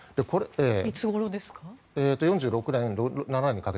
いつごろですか？